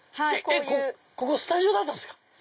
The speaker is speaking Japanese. ここスタジオだったんですか